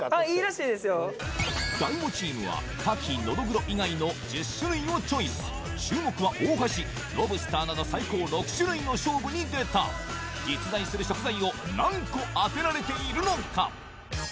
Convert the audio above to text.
大悟チームは牡蠣のどぐろ以外の１０種類をチョイス注目は大橋ロブスターなど最高６種類の勝負に出た実在する食材を何個当てられているのか？